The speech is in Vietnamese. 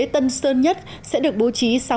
tân sơn nhất sẽ được bố trí